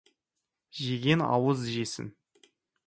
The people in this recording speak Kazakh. Жеген ауыз жесін.